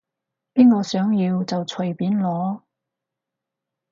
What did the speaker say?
邊個想要就隨便攞